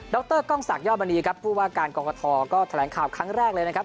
ดรก้องศักดิ์ย่อบนีครับพูดว่าการกองกฐก็แถลงข่าวครั้งแรกเลยนะครับ